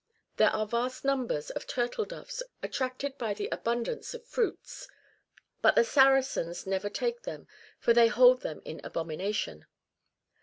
[There are vast numbers of turtle doves, attracted by the abundance of fruits, but the Saracens never take them, for they hold them in abomination.